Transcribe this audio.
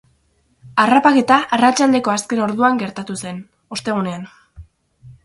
Harrapaketa arratsaldeko azken orduan gertatu zen, ostegunean.